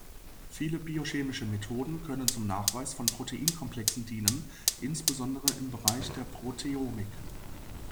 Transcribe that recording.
Viele biochemische Methoden können zum Nachweis von Proteinkomplexen dienen, insbesondere im Bereich der Proteomik.